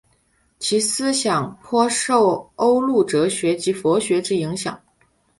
其思想颇受欧陆哲学及佛学之影响。